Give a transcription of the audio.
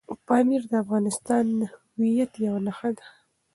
پامیر د افغانستان د ملي هویت یوه نښه ده.